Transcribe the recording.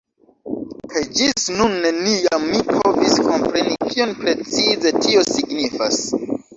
Kaj ĝis nun neniam mi povis kompreni kion precize tio signifas.